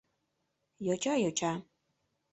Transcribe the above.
Йоча-йоча...